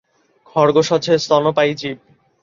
খরগোশ হচ্ছে স্তন্যপায়ী জীব।